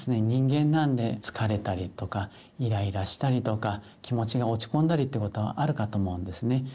人間なんで疲れたりとかイライラしたりとか気持ちが落ち込んだりってことがあるかと思うんですね。